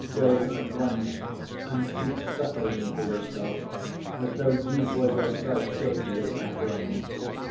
Go at once and seek suffering for yourself, as though you were yourself guilty of that wrong.